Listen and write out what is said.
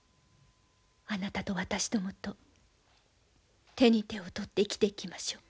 あなたと私どもと手に手を取って生きていきましょう。